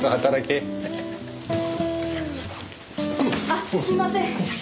あっすいません。